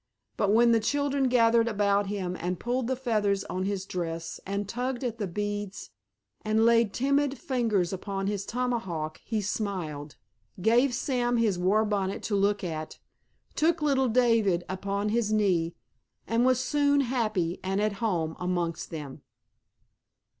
But when the children gathered about him and pulled the feathers on his dress and tugged at the beads and laid timid fingers upon his tomahawk he smiled, gave Sam his war bonnet to look at, took little David upon his knee, and was soon happy and at home amongst them.